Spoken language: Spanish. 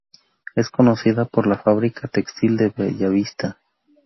Es conocida por la Fabrica Textil de Bellavista.